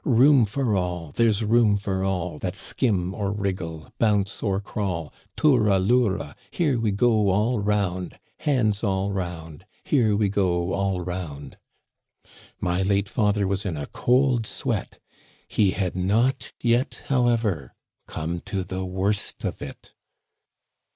Room for all, there's room for all That skim or wriggle, bounce or crawl— Toura loura ; Here we go all round, Hands all round, Here we go all round." "My late father was in a cold sweat; he had not yet, however, come to the worst of it."